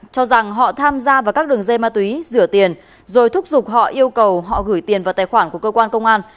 cho rằng họ tham gia vào các đường dây ma túy rửa tiền rồi thúc giục họ yêu cầu họ gửi tiền vào tài khoản của cơ quan công an